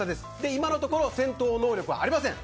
今のところ戦闘能力はありません。